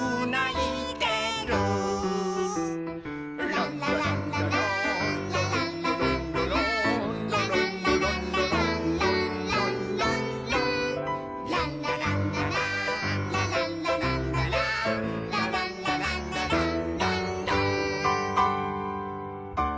「ランラランラランラランラランラランラ」「ランラランラランランランランラン」「ランラランラランラランラランラランラ」「ランラランラランランラン」